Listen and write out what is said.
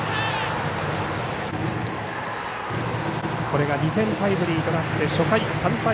これが２点タイムリーとなって初回、３対１。